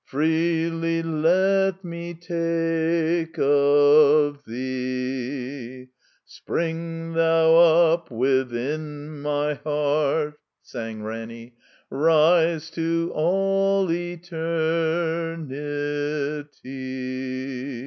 Freely let me take of Thee; Spring Thou up with in my heart;" sang Ranny. " Rise to all eternity."